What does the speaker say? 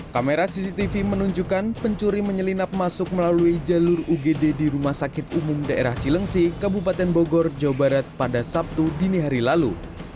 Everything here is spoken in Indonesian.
kamera cctv menunjukkan pencuri menyelinap masuk melalui jalur ugd di rumah sakit umum daerah cilengsi kabupaten bogor jawa barat pada sabtu dini hari lalu